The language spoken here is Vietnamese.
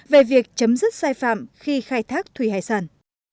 về việc chấm dứt sai phạm khi khai thác thủy hải sản